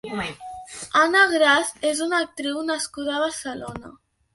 Anna Gras és una actriu nascuda a Barcelona.